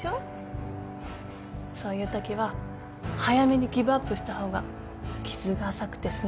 そういうときは早めにギブアップした方が傷が浅くて済む。